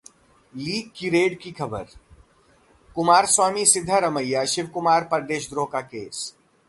leak की red की खबर, कुमारस्वामी-सिद्धारमैया-शिवकुमार पर देशद्रोह का केस